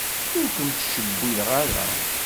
Ur ken-ttcewwileɣ ara.